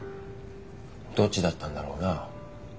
どっちだったんだろうな。